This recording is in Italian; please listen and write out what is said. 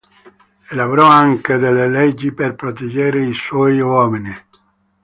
Elaborò anche delle leggi per proteggere i suoi uomini.